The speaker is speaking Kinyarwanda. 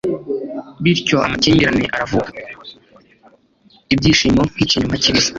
ibyishimo nk'ikinyoma kibisi